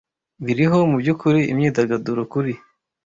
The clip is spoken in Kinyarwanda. Biriho? Mubyukuri imyidagaduro kuri